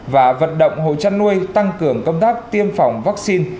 và vận động hộ chăn nuôi tăng cường công tác tiêm phòng vaccine